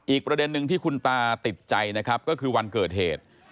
อีกประเด็นหนึ่งที่คุณตาติดใจนะครับก็คือวันเกิดเหตุ